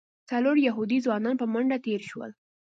څلور یهودي ځوانان په منډه تېر شول.